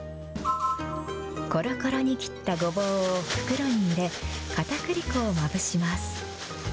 コロコロに切ったごぼうを袋に入れ、かたくり粉をまぶします。